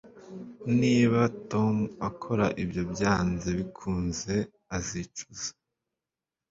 Niba Tom akora ibyo byanze bikunze azicuza